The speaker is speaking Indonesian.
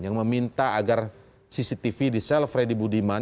yang meminta agar cctv di self freddy budiman